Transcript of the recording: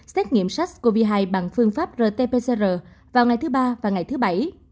xét nghiệm sars cov hai bằng phương pháp rt pcr vào ngày thứ ba và ngày thứ bảy